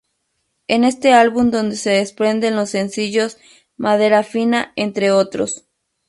En este álbum donde se desprenden los sencillos: Madera Fina, entre otros.